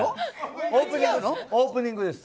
オープニングです。